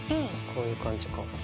こういう感じか。